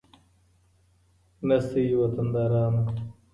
نه سئ وطندارانو